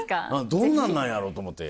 どんなんなんやろと思って。